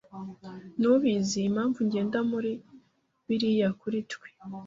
Ntubizi, impamvu ngenda muri biriya kuri twe